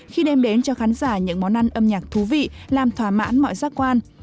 khi đem đến cho khán giả những món ăn âm nhạc thú vị làm thỏa mãn mọi giác quan